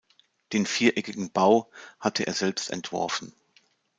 Den viereckigen Bau hatte er selbst entworfen.